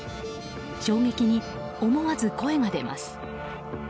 衝撃に思わず声が出ます。